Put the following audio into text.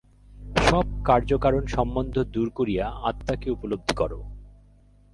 সব কার্য-কারণ-সম্বন্ধ দূর করিয়া আত্মাকে উপলব্ধি কর।